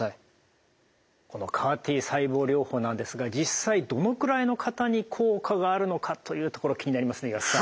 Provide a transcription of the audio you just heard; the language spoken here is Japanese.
このＣＡＲ−Ｔ細胞療法なんですが実際どのくらいの方に効果があるのかというところ気になりますね岩田さん。